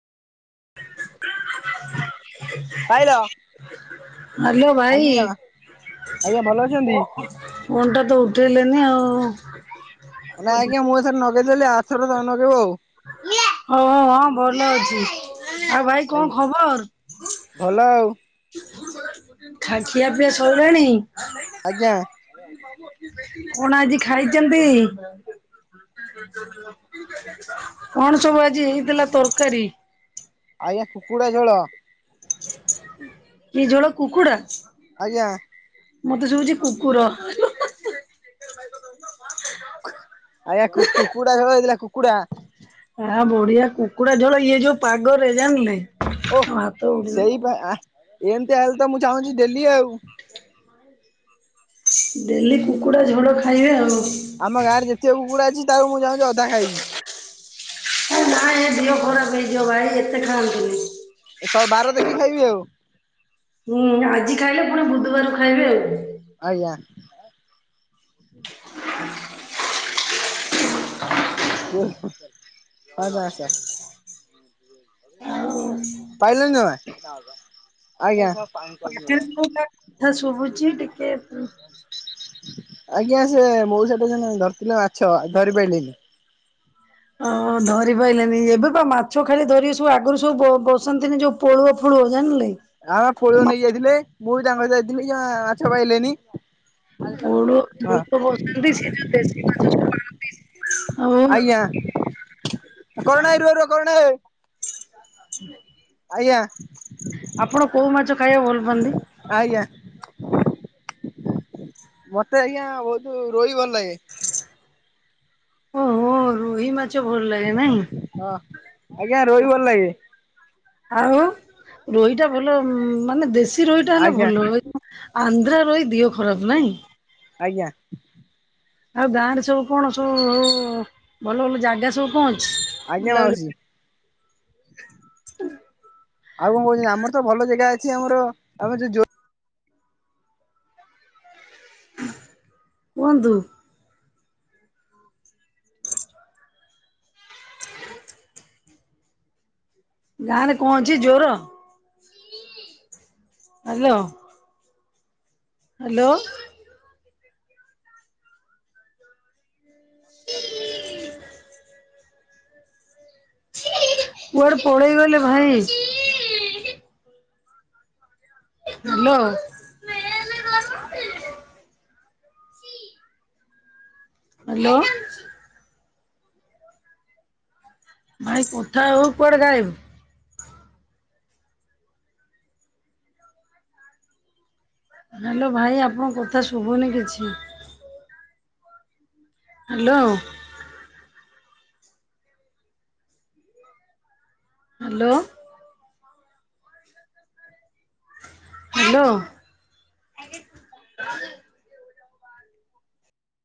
[inaudible] ପାଇଲ ହ୍ୟାଲୋ ଭାଇ ଆଜ୍ଞା। ଆଜ୍ଞା ଭଲ ଅଛନ୍ତି? ଫୋନ୍ ଟା ତ ଉଠେଇଲେନି ଆଉ। ନାଇଁ ଆଜ୍ଞା ମୁଁ ହଁ ଏଥର ନଗେଇ ଦେଲି ଆରଥର ତମେ ନଗେଇବ ଆଉ। ହଉ ହଁ ଭଲ ଅଛି। ଆଉ ଭାଇ କଣ ଆଜ୍ଞା ଖବର? ଭଲ ଆଉ ଖା ଖିଆ ପିଆ ସରଲାଣି। ଆଜ୍ଞା। କଣ ଆଜି ଖାଇଛନ୍ତି। କଣ ସବୁ ଆଜି ହେଇଥିଲା ତରକାରୀ? ଆଜ୍ଞା କୁକୁଡ଼ା ଝୋଳ। କି ଝୋଳ କୁକୁଡ଼ା? ଆଜ୍ଞା। ମତେ ଶଭୁଛି କୁକୁର। ଆଜ୍ଞା କୁକୁ କୁକୁଡା ଝୋଳ ହେଇଥିଲା କୁକୁଡ଼ା। ଆହା ବଢିଆ କୁକୁଡା ଝୋଳ ଇଏ ଯୋଉ ପାଗରେ ଜାଣିଲେ। ଓ ମୋ ହାତ ଉଡିଗଲା। ସେଇପା ଆ ଏମତି ହେଲେ ତ ମୁଁ ଚାହୁଁଛି ଡେଲି ଆଉ। ଡେଲି କୁକୁଡ଼ା ଝୋଳ ଖାଇବା ଆଉ। ଆମ ଗାଁରେ ଯେତିକ କୁକୁଡ଼ା ଅଛି ତାକୁ ମୁଁ ଚାହୁଁଛି ଅଧା ଖାଇବି। ଆ ଏ ଦେହ ଖରାପ୍ ହେଇଯିବ ଭାଇ ଏତେ ଖାଆନ୍ତୁନି। ଏ ଶ ବାର ଦେଖିକି ଖାଇବି ଆଉ। ହୁଁ ଆଜି ଖାଇଲେ ପୁଣି ବୁଧବାର ଖାଇବେ। ଆଜ୍ଞା। କଣ ମ ଆସ [inaudible] ପାଇିଲେଣି ଜମା। ଆଜ୍ଞା। ଚିକେନ୍‌ କୋଉଟା କଥା ଶୁଭୁଛି ଟିକେ- ଆଜ୍ଞା ସେ ମୋଉସା ଦେଇଥିନେ ଧରିଥିଲେ ମାଛ ଧରି ପାଇଲିନି। ହଁ ଧରି ପାଇଲେନି ଏବେ ପା ମାଛ ଖାଲି ଧରିବେ ସବୁ ଆଗରୁ ସବୁ ବ ବସନ୍ତିନି ଯୋଉ- ପୋଳୁଅ ଫୋଳୁଅ ଜାଣିଲେ। ଆଁ ପୋଳୁଅ ନେଇକି ମାଛ ଯାଇଥିଲେ ମୁଁ ବି ତାଙ୍କ ସହ ଯାଇଥିଲି ଯାଁ ମାଛ ପାଇଲିନି। ପୋଳୁଅ ପୋଳୁଅ [unintelligible] ଗତବର୍ଷ ଦେଶୀ ମାଛ ଖଳନ୍ତି ହଉ- ଆଁ କରୁଣା ଭାଇ ରୁହ ରୁହ କରୁଣା ଭାଇ। ଆଜ୍ଞା ଆପଣ କୋଉ ମାଛ ଖାଇବା ଭଲ ପାଆନ୍ତି? ଆଜ୍ଞା। ମତେ ଆଜ୍ଞା ବହୁତୁ ରୋହି ଭଲ ଲାଗେ। ଓହୋ ରୋହି ମାଛ ଭଲ ଲାଗେ ନାହିଁ। ହଁ ଆଜ୍ଞା ରୋହି ଭଲ ଲାଗେ। ଆଉ ରୋହିଟା ଭଲ ମାନେ ଦେଶୀ ରୋହିଟା ହେଲେ ଆଜ୍ଞା ଭଲ। ଆନ୍ଧ୍ରା ରୋହି ଦିହ ଖରାପ ଆଜ୍ଞା ନାଇଁ। ଆଜ୍ଞା। ଆଉ ଗାଁରେ ସବୁ କଣ ସବୁ ଆଉ ଭଲ ଭଲ ଜାଗା ସବୁ କଣ ଅଛି? ଆଜ୍ଞା ମାଉସୀ। ହ [unintelligible] ଆଉ କଣ କହୁଛନ୍ତି ଆମର ତ ଭଲ ଜେଗା ଅଛି ଆମର ଆମ ଯ ଜୋ କୁହନ୍ତୁ। ଗାଁରେ କଣ ଅଛି ଜୋର? ହାଲୋ। ହ୍ଯାଲୋ। ହ [unintelligible] କୁଆଡେ ପଳେଇଗଲେ ଭାଇ? ହ୍ୟାଲୋ ହ୍ୟାଲୋ ଭାଇ କଥା ହେଉ କୁଆଡେ ଗାୟପ! ହାଲୋ ଭାଇ ଆପଣଙ୍କ କଥା ଶୁଭୁନି କିଛି। Hello hello hello.